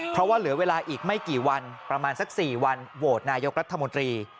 เพราะว่าเหลือเวลาอีกไม่กี่วันประมาณสัก๔วันโหวตนายกรัฐมนตรี